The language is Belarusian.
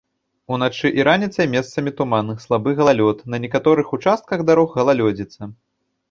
Уначы і раніцай месцамі туман, слабы галалёд, на некаторых участках дарог галалёдзіца.